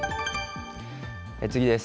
次です。